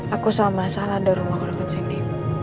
aku sama sama ada rumah kurangkan sini